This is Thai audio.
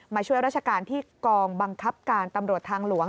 มาช่วยราชการที่กองบังคับการตำรวจทางหลวง